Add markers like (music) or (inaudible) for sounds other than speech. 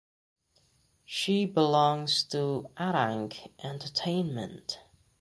She belongs to Arang Entertainment. (unintelligible)